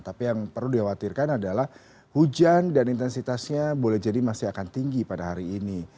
tapi yang perlu dikhawatirkan adalah hujan dan intensitasnya boleh jadi masih akan tinggi pada hari ini